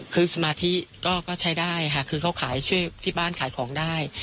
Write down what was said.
คือสมาธิก็ใช้ได้ค่ะคือเขาขายช่วยที่บ้านขายของได้